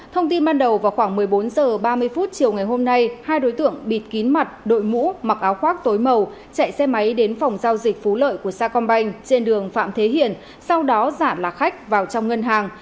thông tin ban đầu vào khoảng một mươi bốn h ba mươi chiều ngày hôm nay hai đối tượng bịt kín mặt đội mũ mặc áo khoác tối màu chạy xe máy đến phòng giao dịch phú lợi của sacombank trên đường phạm thế hiển sau đó giả lạc khách vào trong ngân hàng